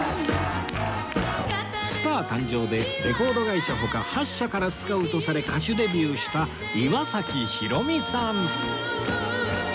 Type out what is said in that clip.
『スター誕生！』でレコード会社他８社からスカウトされ歌手デビューした岩崎宏美さん